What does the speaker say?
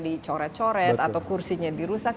dicoret coret atau kursinya dirusak